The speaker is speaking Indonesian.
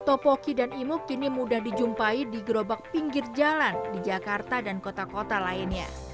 topoki dan imuk kini mudah dijumpai di gerobak pinggir jalan di jakarta dan kota kota lainnya